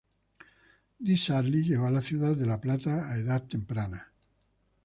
Di Sarli llegó a la ciudad de La Plata a edad temprana.